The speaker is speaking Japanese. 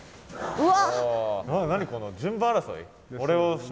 うわ。